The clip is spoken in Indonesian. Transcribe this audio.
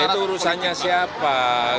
itu urusannya siapa